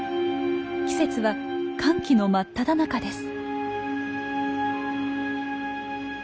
季節は乾期の真っただ中です。